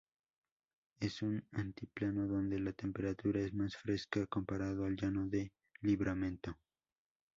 Es un altiplano donde la temperatura es más fresca comparado al llano de Livramento.